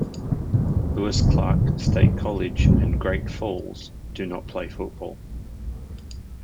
Lewis-Clark State College and Great Falls do not play football.